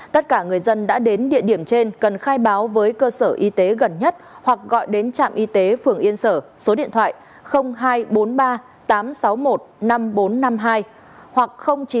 tất cả người dân đã đến địa điểm trên cần khai báo với cơ sở y tế gần nhất hoặc gọi đến trạm y tế phường yên sở số điện thoại hai trăm bốn mươi ba tám trăm sáu mươi một năm nghìn bốn trăm năm mươi hai hoặc chín trăm sáu mươi sáu năm trăm bốn mươi ba sáu trăm bốn mươi sáu